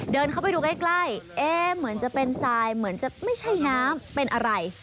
เดินเข้าไปดูใกล้เอ๊ะเหมือนจะเป็นทรายเหมือนจะไม่ใช่น้ำเป็นอะไร